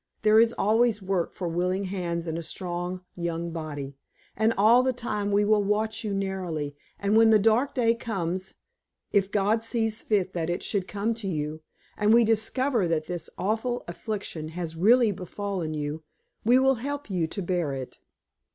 There is always work for willing hands and a strong young body. And all the time we will watch you narrowly, and when the dark day comes if God sees fit that it should come to you and we discover that this awful affliction has really befallen you, we will help you to bear it.